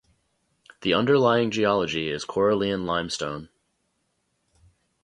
The underlying geology is Corallian limestone.